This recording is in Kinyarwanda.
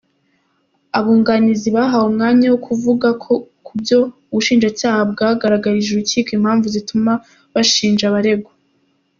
Abunganizi bahawe umwanya wo kuvuga ku byo ubushinjacya bwagaragarije urukiko impamvu zituma bashinja abaregwa